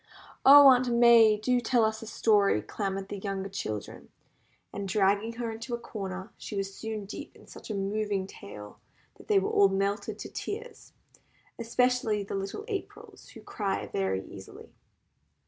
"Oh, Aunt May! do tell us a story," clamoured the younger children, and dragging her into a corner she was soon deep in such a moving tale that they were all melted to tears, especially the little Aprils, who cry very easily.